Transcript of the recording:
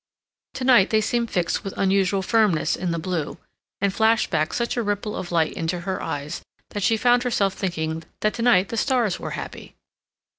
To night they seemed fixed with unusual firmness in the blue, and flashed back such a ripple of light into her eyes that she found herself thinking that to night the stars were happy.